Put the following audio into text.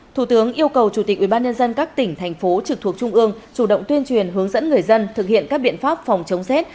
thủ tướng yêu cầu chủ tịch ubnd các tỉnh thành phố trực thuộc trung ương chủ động tuyên truyền hướng dẫn người dân thực hiện các biện pháp phòng chống rét